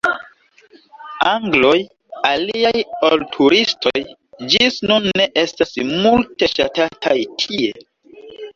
Angloj, aliaj ol turistoj, ĝis nun ne estas multe ŝatataj tie.